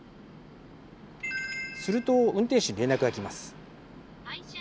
すると、運転手に連絡がきます。